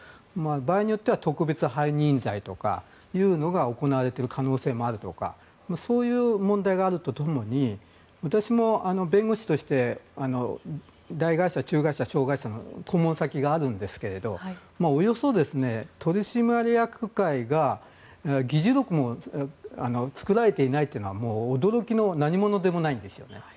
場合によっては特別背任罪とかそういうのが行われている可能性があるとかそういう問題があるとともに私も弁護士として大会社・中会社・小会社の顧問先があるんですが取締役会が議事録も作られていないというのはもう驚きの何ものでもないんですよね。